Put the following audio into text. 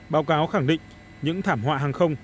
báo cáo khẳng định những thảm họa hàng không